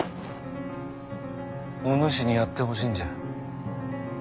お主にやってほしいんじゃ。